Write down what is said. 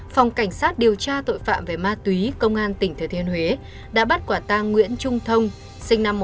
phòng cảnh sát điều tra tội phạm về ma túy công an tỉnh thừa thiên huế đã bắt quả tang nguyễn trung thông sinh năm một nghìn chín trăm tám mươi